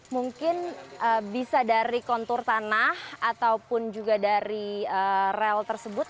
mungkin bisa dari kontur tanah ataupun juga dari rel tersebut